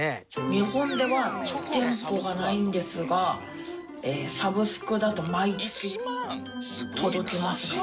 日本では店舗がないんですがサブスクだと毎月届きますね。